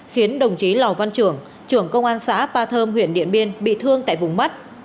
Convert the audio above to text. khiến đồng chí lò văn trưởng trưởng công an xã ba thơm huyện điện biên bị thương tại vùng mắt